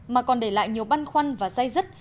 mà còn để lại nhiều băn khoăn và say rứt